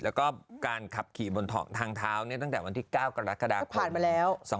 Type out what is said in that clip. แล้วก็การขับขี่บนทองทางเท้าเนี่ยตั้งแต่วันที่๙กรกฎาคม๒๕๖๑นี่นะ